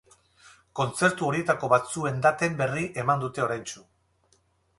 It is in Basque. Kontzertu horietako batzuen daten berri eman dute oraintsu.